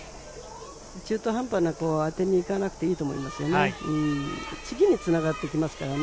中途半端に当てにいかなくていいと思いますね。